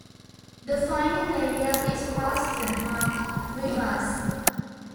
The final aria is faster, marked "vivace".